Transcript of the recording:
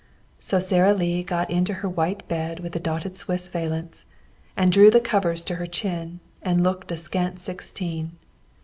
So Sara Lee got into her white bed with the dotted Swiss valance, and drew the covers to her chin, and looked a scant sixteen.